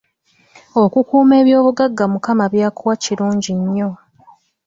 Okukuuma ebyobugagga Mukama by’akuwa kirungi nnyo.